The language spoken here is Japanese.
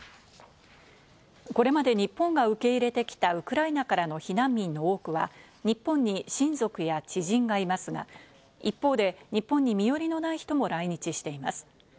これまで日本が受け入れてきたウクライナからの避難民の多くは日本で親族や知人がいますが、一方で日本に身寄りのない人も来日しています。